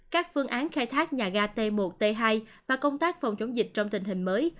các phương án khai thác nhà ga t một t hai và công tác phòng chống dịch trong tình hình mới